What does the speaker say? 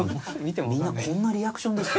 みんなこんなリアクションですよ。